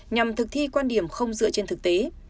nhằm thực thi quan điểm không dựa trên thực tế